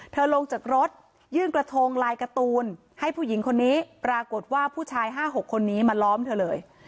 ลงจากรถยื่นกระทงลายการ์ตูนให้ผู้หญิงคนนี้ปรากฏว่าผู้ชาย๕๖คนนี้มาล้อมเธอเลย